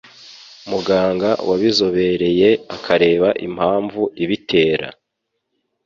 muganga wabizobereye akareba impamvu ibitera